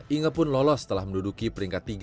inge pun lolos setelah menduduki peringkat tiga